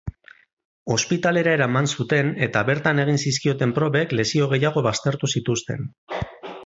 Hospitalera eraman zuten eta bertan egin zizkioten probek lesio gehiago baztertu zituzten.